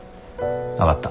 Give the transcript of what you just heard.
分かった。